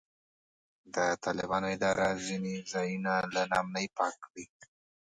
د طالبانو اداره ځینې ځایونه له نا امنۍ پاک کړي.